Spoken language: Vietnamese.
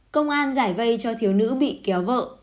công an giải vây cho thiếu nữ bị kéo vợ